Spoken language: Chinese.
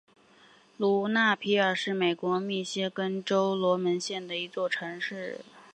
卢纳皮尔是美国密歇根州门罗县的一座城市。